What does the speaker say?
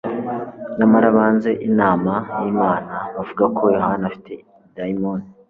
nyamara banze inama y'Imana, bavuga ko Yohana afite daimoni.